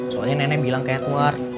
soalnya nenek bilang ke edward